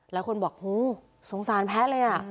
แล้วคนบอกโหสงสารแพะเลยอ่ะ